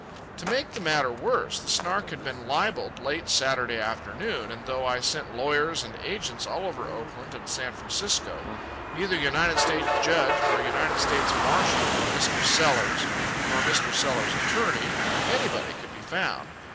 To make the matter worse, the Snark had been libelled late Saturday afternoon; and though I sent lawyers and agents all over Oakland and San Francisco, neither United States judge, nor United States marshal, nor Mr. Sellers, nor Mr. Sellers' attorney, nor anybody could be found.